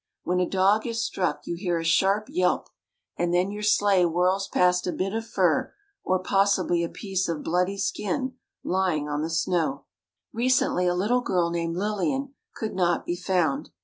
When a dog is struck you hear a sharp yelp, and then your sleigh whirls past a bit of fur or possibly a piece of bloody skin lying on the snow." Recently a little girl named Lillian could not be found.